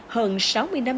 hơn sáu mươi năm